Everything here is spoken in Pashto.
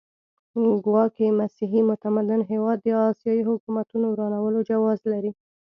ګواکې مسیحي متمدن هېواد د اسیایي حکومتونو ورانولو جواز لري.